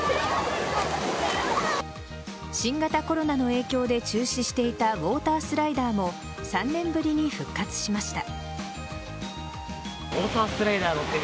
新型コロナの影響で中止していたウオータースライダーも３年ぶりに復活しました。